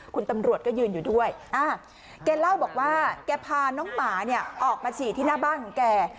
คุณตำรวจก็ยืนอยู่ด้วยแกเล่าบอกว่าแกพาน้องหมาเนี่ยออกมาฉี่ที่หน้าบ้านของแก